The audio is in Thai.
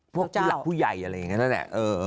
พวกหลักผู้ใหญ่อะไรอย่างนี้แหละ